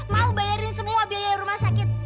mau bayarin semua biaya rumah sakit